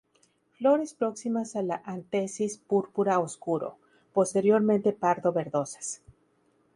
Flores próximas a la antesis púrpura oscuro, posteriormente pardo verdosas.